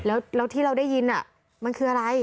แล้วที่เราได้ยินมันคืออะไร